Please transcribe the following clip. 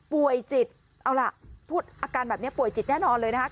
ป่วยจิตเอาล่ะพูดอาการแบบนี้ป่วยจิตแน่นอนเลยนะคะ